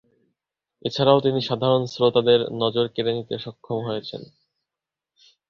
এছাড়াও তিনি সাধারণ শ্রোতাদের নজর কেড়ে নিতে সক্ষম হয়েছেন।